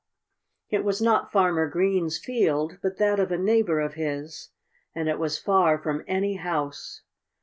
It was not Farmer Green's field, but that of a neighbor of his. And it was far from any house.